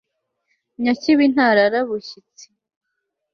nyakibi ntarara bushyitsi